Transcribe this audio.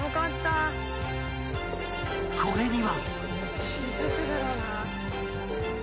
［これには］